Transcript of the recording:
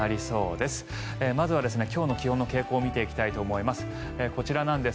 まずは今日の気温の傾向を見ていきたいと思います。